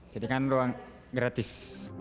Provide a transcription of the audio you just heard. jadi kan ruang gratis